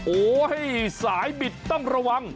โอ้ยสายบิดต้องระวัง